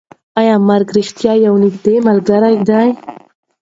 ایا مرګ رښتیا یوه نږدې ملګرتیا ده؟